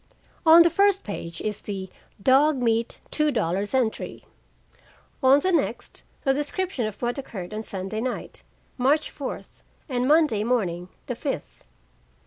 On the first page is the "dog meat two dollars" entry. On the next, the description of what occurred on Sunday night, March fourth, and Monday morning, the fifth.